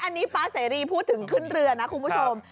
อันนี้ป๊าเสรีพูดถึงขึ้นเรือนะคุณผู้ชม